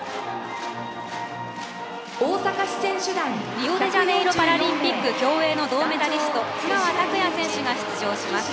リオデジャネイロパラリンピック競泳の銅メダリスト、津川拓也選手が出場します。